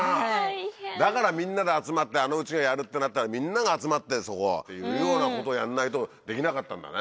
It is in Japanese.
だからみんなで集まってあの家がやるってなったらみんなが集まってそこを。っていうようなことをやんないとできなかったんだね。